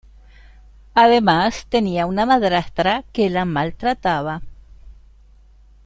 Además tenía una madrastra que la maltrataba.